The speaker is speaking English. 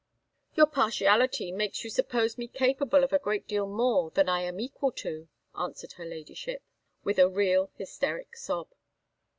"Your partiality makes you suppose me capable of a great deal more than I am equal to," answered her Ladyship, with a real hysteric sob.